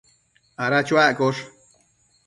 ada chuaccosh